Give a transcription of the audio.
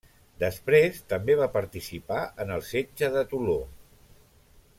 Després també va participar en el setge de Toló.